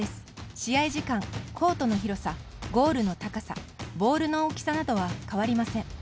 試合時間、コートの広さゴールの高さボールの大きさなどは変わりません。